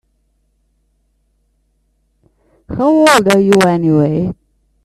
How old are you anyway?